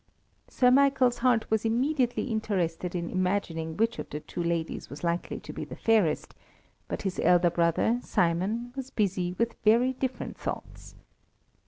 Sir Michael's heart was immediately interested in imagining which of the two ladies was likely to be the fairest, but his elder brother, Simon, was busy with very different thoughts.